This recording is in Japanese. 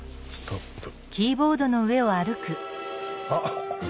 あっ。